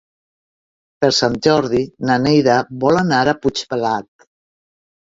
Per Sant Jordi na Neida vol anar a Puigpelat.